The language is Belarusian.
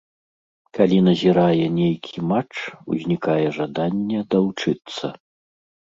Калі назірае нейкі матч, узнікае жаданне далучыцца.